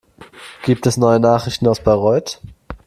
Gibt es neue Nachrichten aus Bayreuth?